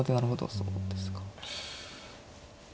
そうですか。